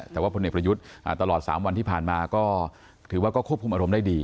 แต่ว่าพลเอกประยุทธ์ตลอด๓วันที่ผ่านมาก็ถือว่าก็ควบคุมอารมณ์ได้ดี